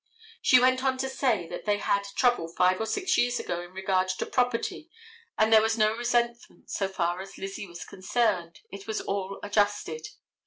She went on to say that they had trouble five or six years ago in regard to property and there was no resentment so far as Lizzie was concerned; it was all adjusted.